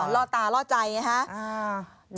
อ๋อล่อตาล่อใจอ่ะคะ